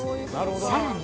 さらに。